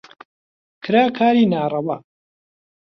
کرا کاری ناڕەوا